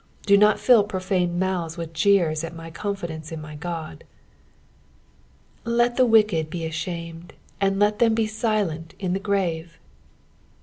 Do not fill profane mouths with jeeie at my confidence in my Ood. " Let the Kicked be aehamed, and let them be tUent in the grme."